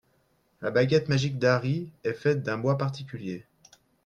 La baguette magique d'Harry est faite d'un bois particulier.